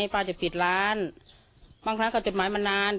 ป้าจะปิดร้านบางครั้งก็จดหมายมานาน